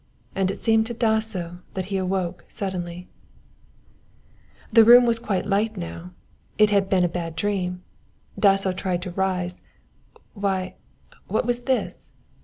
and it seemed to Dasso that he awoke suddenly. The room was quite light now. It had been a bad dream. Dasso tried to rise why, what was this?